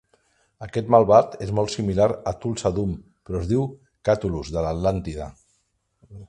Aquest malvat és molt similar a Thulsa Doom, però es diu "Kathulos de l'Atlàntida".